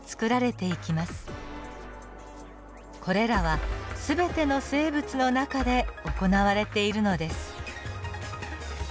これらは全ての生物の中で行われているのです。